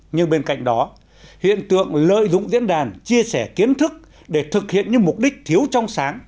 nhưng bên cạnh đó hiện tượng lợi dụng diễn đàn chia sẻ kiến thức để thực hiện những mục đích thiếu trong sáng